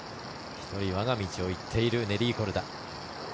１人、我が道を行っているネリー・コルダ。